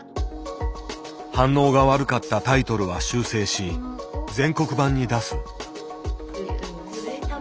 反応が悪かったタイトルは修正し全国版に出す。